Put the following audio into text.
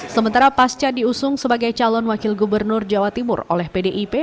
sementara pasca diusung sebagai calon wakil gubernur jawa timur oleh pdip